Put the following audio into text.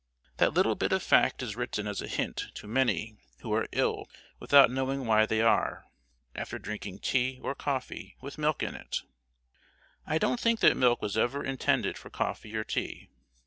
That little bit of fact is written as a hint to many who are ill without knowing why they are, after drinking tea, or coffee, with milk in it. I don't think that milk was ever intended for coffee or tea.